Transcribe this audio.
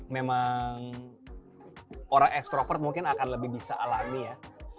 memang orang extrovert mungkin akan lebih bisa alami ya